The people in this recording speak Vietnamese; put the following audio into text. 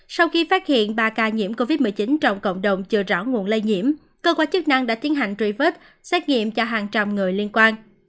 sau khi phát hiện ba ca nhiễm covid một mươi chín trong cộng đồng chưa rõ nguồn lây nhiễm cơ quan chức năng đã tiến hành truy vết xét nghiệm cho hàng trăm người liên quan